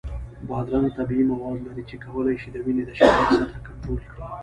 بادرنګ طبیعي مواد لري چې کولی شي د وینې د شکر سطحه کنټرول کړي.